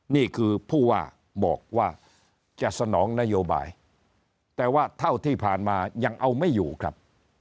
นี่คือผู้ว่าบอกว่าจะสนองนโยบายแต่ว่าเท่าที่ผ่านมายังเอาไม่อยู่ครับ